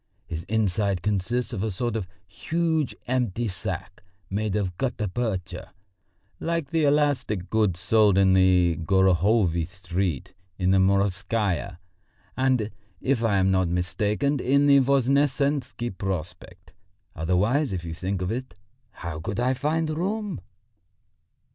His inside consists of a sort of huge empty sack made of gutta percha, like the elastic goods sold in the Gorohovy Street, in the Morskaya, and, if I am not mistaken, in the Voznesensky Prospect. Otherwise, if you think of it, how could I find room?"